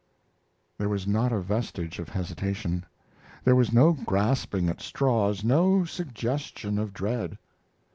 There was not a vestige of hesitation; there was no grasping at straws, no suggestion of dread.